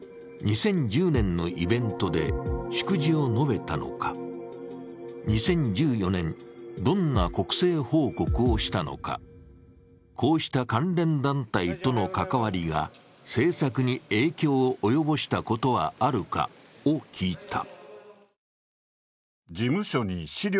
２０１０年のイベントで祝辞を述べたのか、２０１４年、どんな国政報告をしたのかこうした関連団体との関わりが政策に影響を及ぼしたことはあるかを聞いた。